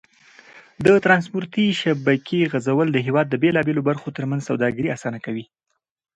د ترانسپورتي شبکې غځول د هېواد د بېلابېلو برخو تر منځ سوداګري اسانه کوي.